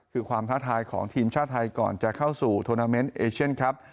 คือความท้าทายของทีมชาติไทยก่อนจะเข้าสู่โทรนาเมนต์เอเชียนครับ